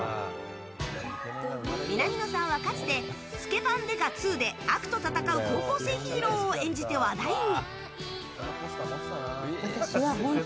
南野さんは、かつて「スケバン刑事２」で悪と戦う高校生ヒーローを演じて話題に。